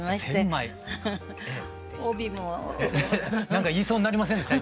何か言いそうになりませんでした？